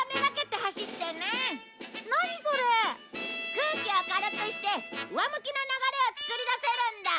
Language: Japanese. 空気を軽くして上向きの流れを作り出せるんだ。